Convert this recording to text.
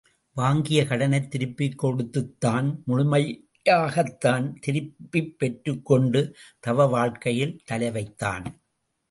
வாங்கிய கடனைத் திருப்பிக் கொடுத்தான் முதுமையைத் தான் திருப்பிப் பெற்றுக்கொண்டு தவ வாழ்க்கையில் தலைவைத்தான்.